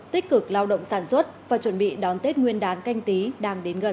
tích cực lao động sản xuất và chuẩn bị đón tết nguyên đán canh tí đang đến gần